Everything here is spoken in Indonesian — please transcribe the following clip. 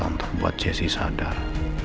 untuk buat jesse sadar